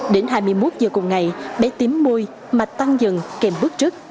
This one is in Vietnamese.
đến hai mươi một giờ cùng ngày bé tím môi mạch tăng dần kèm bước trước